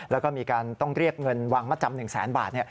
แล้วก็มีการต้องเรียกเงินวางมัดจำ๑แสนบาท